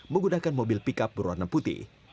menggunakan mobil pickup berwarna putih